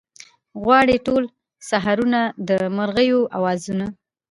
غواړي ټوله سحرونه د مرغیو اوازونه